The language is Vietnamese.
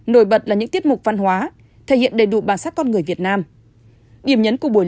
nổi bật là những tiết mục văn hóa thể hiện đầy đủ bản sắc con người việt nam